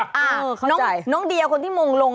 เออเข้าใจน้องเดียคนที่มงลง